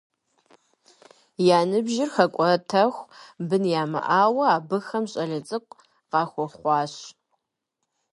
Я ныбжьыр хэкӏуэтэху бын ямыӏауэ, абыхэм щӏалэ цӏыкӏу къахэхъуащ.